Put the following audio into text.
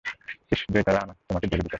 ইশশ, যদি তারা তোমাকে জেলে দিত।